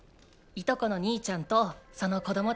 いとこの兄ちゃんとその子供達。